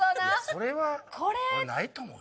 それは俺ないと思うよ。